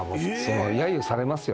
やゆされますよ